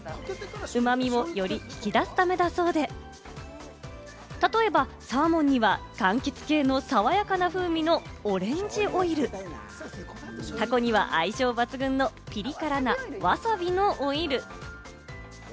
うま味をより引き出すためだそうで、例えばサーモンには、かんきつ系の爽やかな風味のオレンジオイル、タコには相性抜群のピリ辛なワサビのオイル。